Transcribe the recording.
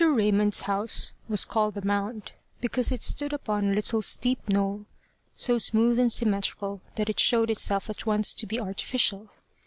RAYMOND'S house was called The Mound, because it stood upon a little steep knoll, so smooth and symmetrical that it showed itself at once to be artificial.